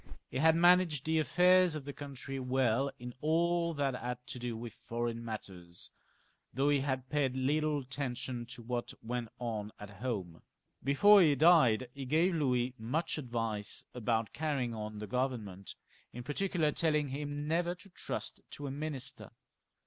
He had managed the affairs of the country weU in all that had to do with foreign matters, though he had paid little atten tion to what went on at home. Before he died he gave Louis much advice about carry ing on the Government, in particular, telling him never to trust to a minister.